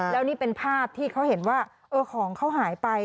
แล้วนี่เป็นภาพที่เขาเห็นว่าของเขาหายไป